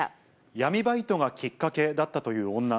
闇バイトがきっかけだったという女。